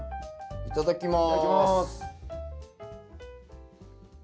いただきます。